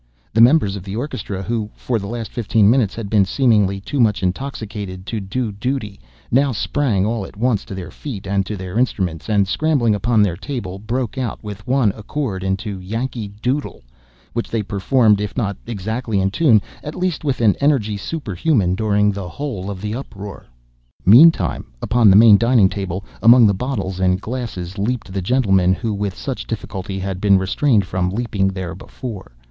The members of the orchestra, who, for the last fifteen minutes, had been seemingly too much intoxicated to do duty, now sprang all at once to their feet and to their instruments, and, scrambling upon their table, broke out, with one accord, into, "Yankee Doodle," which they performed, if not exactly in tune, at least with an energy superhuman, during the whole of the uproar. Meantime, upon the main dining table, among the bottles and glasses, leaped the gentleman who, with such difficulty, had been restrained from leaping there before.